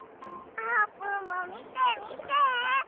あーぷんもみてみて！